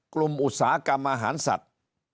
กลุ่มอุตสากรรมอาหารสัตว์